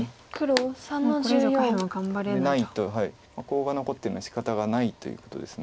コウが残ってるのはしかたがないということです。